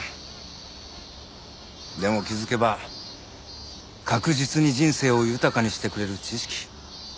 でも気づけば確実に人生を豊かにしてくれる知識